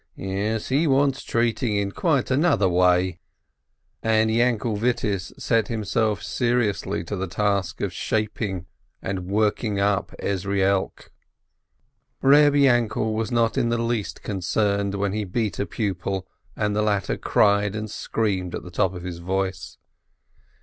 Yes, he wants treating in quite another way." And Yainkel Vittiss set himself seriously to the task of shaping and working up Ezrielk. Eeb Yainkel was not in the least concerned when he beat a pupil and the latter cried and screamed at the top of his voice.